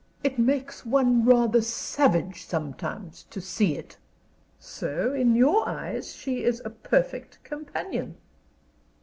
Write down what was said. It makes one rather savage sometimes to see it." "So in your eyes she is a perfect companion?"